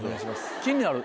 気になる